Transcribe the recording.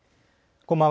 こんばんは。